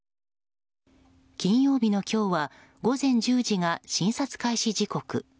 金曜日の今日は午前１０時が診察開始時刻。